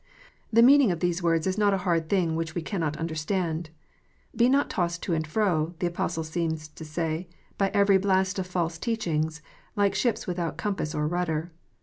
The meaning of these words is not a hard thing which we cannot understand. " Be not tossed to and fro," the Apostle seems to say, "by every blast of false teaching, like ships with out compass or rudder.